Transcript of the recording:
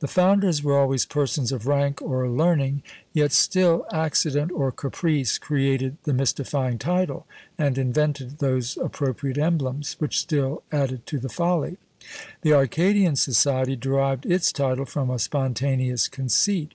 The founders were always persons of rank or learning, yet still accident or caprice created the mystifying title, and invented those appropriate emblems, which still added to the folly. The Arcadian society derived its title from a spontaneous conceit.